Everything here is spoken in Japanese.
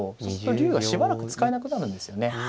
そうすると竜はしばらく使えなくなるんですよね。